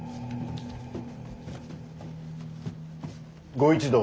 ご一同